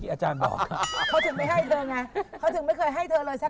เขาถึงไม่ให้เธอไง